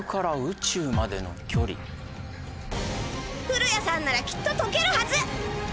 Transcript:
古谷さんならきっと解けるはず！